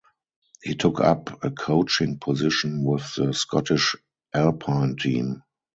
He took up a coaching position with the Scottish Alpine Team.